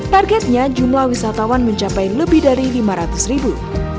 targetnya jumlah wisatawan mencapai lebih dari lima ratus ribu